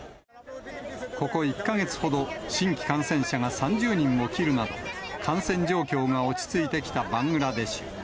ここ１か月ほど、新規感染者が３０人を切るなど、感染状況が落ち着いてきたバングラデシュ。